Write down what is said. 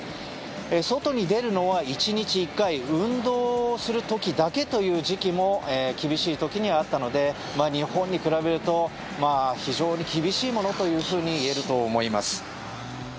外に出るのは１日１回運動する時だけという時期も厳しい時にはあったので日本に比べると非常に厳しいものというふうにいえると思います。